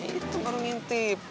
itu baru ngintip